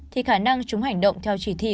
thì khả năng chúng hành động theo chỉ thị